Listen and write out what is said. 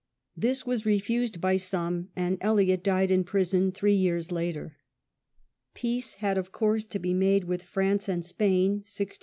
This was refused by some, and Eliot died in prison three years later. Peace had of course to be made with France and THE SHIP MONEY WRITS.